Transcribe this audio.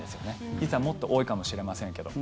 実はもっと多いかもしれませんけど。